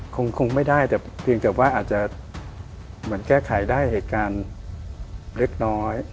คงไม่ได้แต่เพียงแต่ว่าอาจจะเหมือนแก้ไขได้เหตุการณ์เล็กน้อย